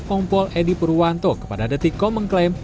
kompol edi purwanto kepada detikkom mengklaim